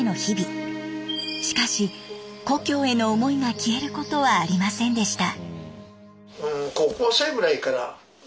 しかし故郷への思いが消えることはありませんでした。